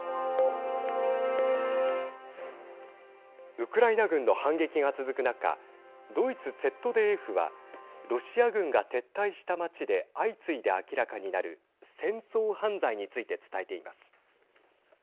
ウクライナ軍の反撃が続く中ドイツＺＤＦはロシア軍が撤退した町で相次いで明らかになる戦争犯罪について伝えています。